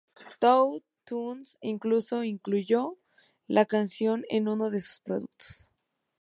Tooth Tunes incluso incluyó la canción en uno de sus productos.